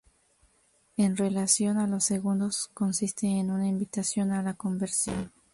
En relación a los segundos consiste en una invitación a la conversión.